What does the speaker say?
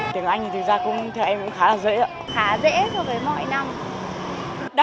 tiếng anh thì thực ra em cũng khá là dễ